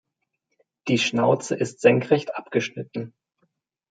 Die Schnauze ist senkrecht abgeschnitten.